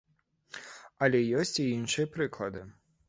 Але ёсць і іншыя прыклады.